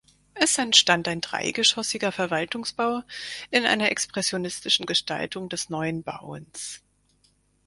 Es entstand ein dreigeschossiger Verwaltungsbau in einer expressionistischen Gestaltung des Neuen Bauens.